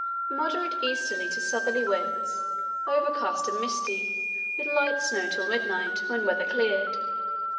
Moderate easterly to southerly winds, overcast and misty, with light snow till midnight, when weather cleared.